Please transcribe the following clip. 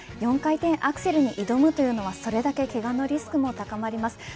４回転アクセルに挑むというのはそれだけ、けがのリスクも高まります。